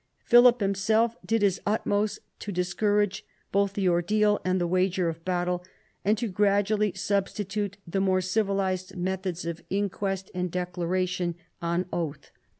Philip himself did his utmost to discourage both the ordeal and the wager of battle, and to gradually substitute the more civilised methods of inquest and declaration on oath.